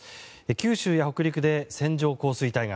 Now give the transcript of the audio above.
九州や北陸で線状降水帯が。